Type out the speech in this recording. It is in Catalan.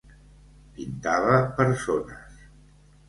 Pintava persones.